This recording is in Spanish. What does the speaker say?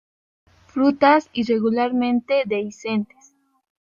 Frutas irregularmente dehiscentes.